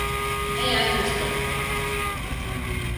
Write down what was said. É algo histórico.